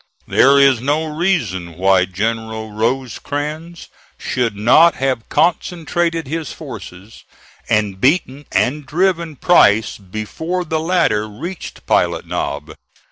There is no reason why General Rosecrans should not have concentrated his forces, and beaten and driven Price before the latter reached Pilot Knob.